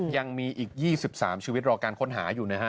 ยังมีอีก๒๓ชีวิตรอการค้นหาอยู่นะฮะ